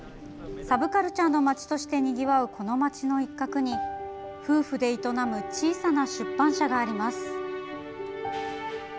サブカルチャーの街としてにぎわう、この街の一角に夫婦で営む小さな出版社があります。